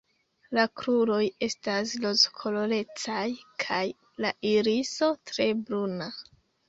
La kruroj estas rozkolorecaj kaj la iriso tre bruna.